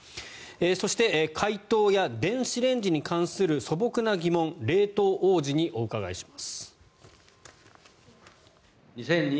そして、解凍や電子レンジに関する素朴な疑問冷凍王子にお伺いします。